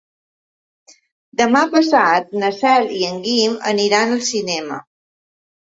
Demà passat na Cel i en Guim aniran al cinema.